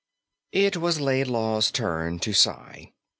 It was Laidlaw's turn to sigh.